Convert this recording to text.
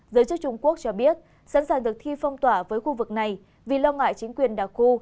giới chức trung quốc cho biết sẵn sàng thực thi phong tỏa với khu vực này vì lo ngại chính quyền đảo ku